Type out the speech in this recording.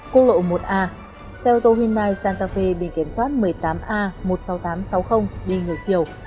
cô lộ một a xe ô tô hyundai santa fe biển kiểm soát một mươi tám a một mươi sáu nghìn tám trăm sáu mươi đi ngược chiều